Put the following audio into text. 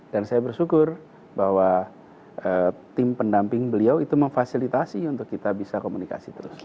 dan saya bersyukur bahwa tim pendamping beliau itu memfasilitasi untuk kita bisa komunikasi terus